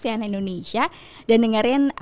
sian indonesia dan dengerin